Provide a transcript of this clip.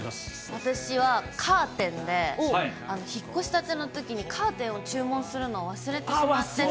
私は、カーテンで、引っ越したてのときに、カーテンを注文するのを忘れてしまってて。